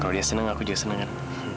kalau dia seneng aku juga seneng kan